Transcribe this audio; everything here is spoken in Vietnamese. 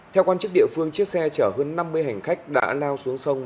theo quan chức địa phương chiếc xe chở hơn năm mươi hành khách đã lao xuống sông